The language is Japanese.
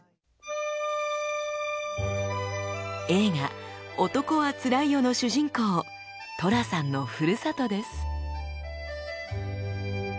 映画「男はつらいよ」の主人公寅さんのふるさとです。